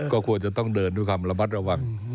ก็ควรจะต้องเดินด้วยความระมัดระวัง